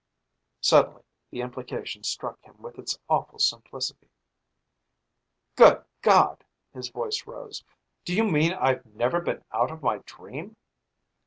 Suddenly the implication struck him with its awful simplicity. "Good God!" His voice rose. "Do you mean I've never been out of my dream?"